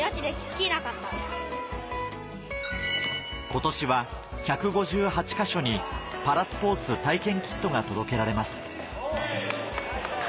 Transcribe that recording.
今年は１５８か所にパラスポーツ体験キットが届けられます